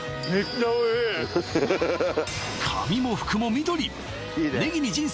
髪も服も緑！